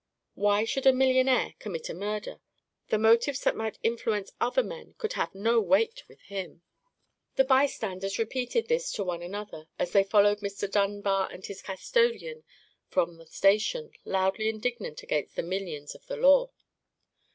Why should a millionaire commit a murder? The motives that might influence other men could have had no weight with him. The bystanders repeated this to one another, as they followed Mr. Dunbar and his custodian from the station, loudly indignant against the minions of the law.